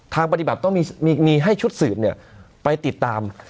ทางปฏิบัติต้องมีมีมีให้ชุดสืบเนี้ยไปติดตาม